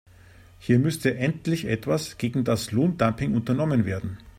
Hier müsste endlich etwas gegen das Lohndumping unternommen werden.